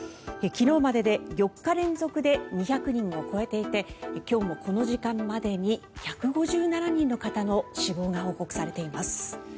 昨日までで４日連続で２００人を超えていて今日もこの時間までに１５７人の方の死亡が報告されています。